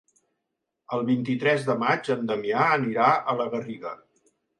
El vint-i-tres de maig en Damià anirà a la Garriga.